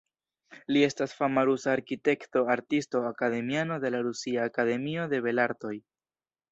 Li estas fama rusa arkitekto, artisto, akademiano de la Rusia Akademio de Belartoj.